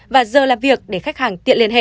và giờ làm việc để khách hàng tiện liên hệ